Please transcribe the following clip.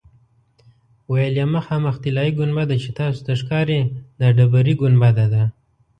ویل یې مخامخ طلایي ګنبده چې تاسو ته ښکاري دا ډبرې ګنبده ده.